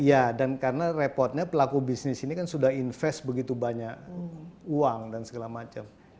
iya dan karena repotnya pelaku bisnis ini kan sudah invest begitu banyak uang dan segala macam